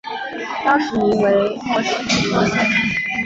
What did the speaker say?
当时名为莫斯基托县。